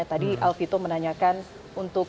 tadi alfie itu menanyakan untuk